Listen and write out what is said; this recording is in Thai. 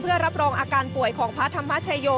เพื่อรับรองอาการป่วยของพระธรรมชโย